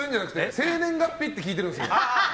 生年月日って聞いてるんですよ。